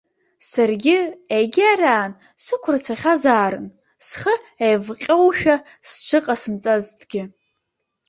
Саргьы егьараан сықәырцахьазаарын схы еивҟьоушәа сҽыҟасымҵазҭгьы.